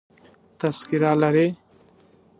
تذکره لرې؟